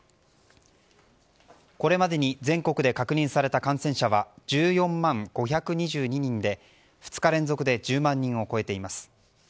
これまでに全国で確認された感染者は１４万５２２人で２日連続で１０万人を超えています。